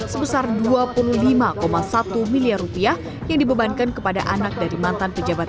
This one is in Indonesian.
sebesar dua puluh lima satu miliar rupiah yang dibebankan kepada anak dari mantan pejabat